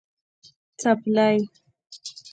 🩴څپلۍ